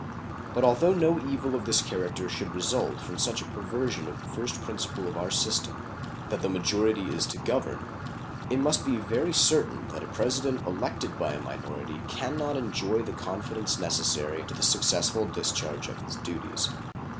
But although no evil of this character should result from such a perversion of the first principle of our system that the majority is to govern it must be very certain that a President elected by a minority can not enjoy the confidence necessary to the successful discharge of his duties.